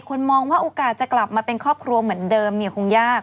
มองว่าโอกาสจะกลับมาเป็นครอบครัวเหมือนเดิมเนี่ยคงยาก